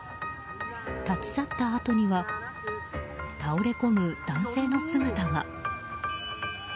立ち去ったあとには倒れ込む男性の姿が。